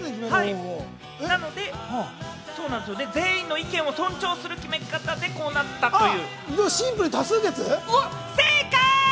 なので、全員の意見を尊重する決め方でこうなったという。